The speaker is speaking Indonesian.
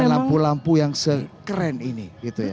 dengan lampu lampu yang sekeren ini gitu ya